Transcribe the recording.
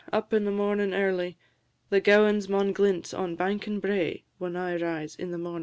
Up in the mornin' early! The gowans maun glint on bank and brae When I rise in the mornin' early.